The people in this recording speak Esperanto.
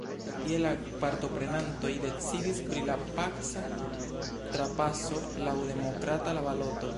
Tie la partoprenantoj decidis pri la paca trapaso laŭ demokrata baloto.